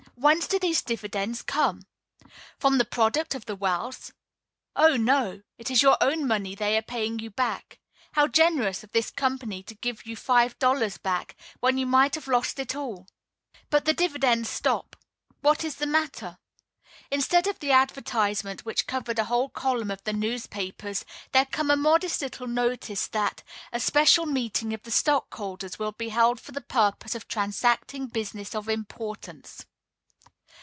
Whence do these dividends come? From the product of the wells? Oh! no. It is your own money they are paying you back. How generous of this company to give you five dollars back, when you might have lost it all! But the dividends stop. What is the matter? Instead of the advertisement which covered a whole column of the newspapers, there comes a modest little notice that "a special meeting of the stockholders will be held for the purpose of transacting business of importance."